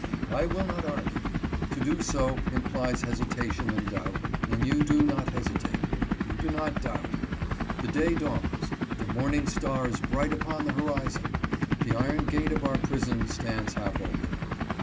I will not argue. To do so implies hesitation and doubt, and you do not hesitate. You do not doubt. The day dawns; the morning star is bright upon the horizon ! The iron gate of our prison stands half open.